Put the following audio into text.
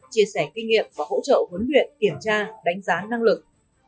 chia sẻ kinh nghiệm và hỗ trợ huấn luyện kiểm tra đánh giá năng lực